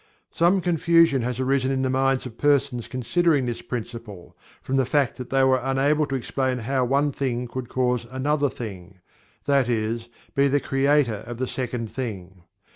Some confusion has arisen in the minds of persons considering this Principle, from the fact that they were unable to explain how one thing could cause another thing that is, be the "creator" of the second thing.